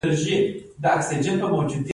ګرانیټ څه ډول تیږه ده؟